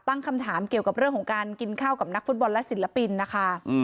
ตั้งคำถามเกี่ยวกับเรื่องของการกินข้าวกับนักฟุตบอลและศิลปินนะคะ